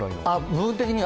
部分的には。